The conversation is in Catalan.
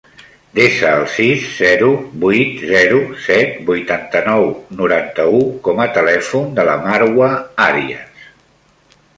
Desa el sis, zero, vuit, zero, set, vuitanta-nou, noranta-u com a telèfon de la Marwa Arias.